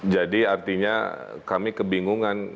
jadi artinya kami kebingungan